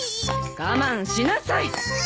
我慢しなさい。